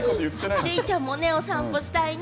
デイちゃんもお散歩したいな。